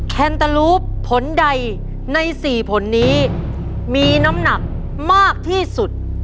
แคนเตอร์ลูปผลใดใน๔ผลนี้มีน้ำหนักมากที่สุด